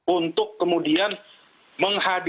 untuk kemudian menghadiri